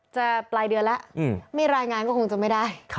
ปลายเดือนแล้วไม่รายงานก็คงจะไม่ได้